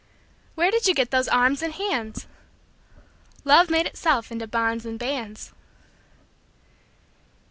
Where did you get those arms and hands? Love made itself into bonds and bands.